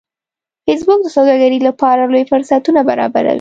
فېسبوک د سوداګرۍ لپاره لوی فرصتونه برابروي